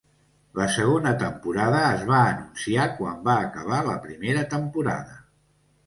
La segona temporada es va anunciar quan va acabar la primera temporada.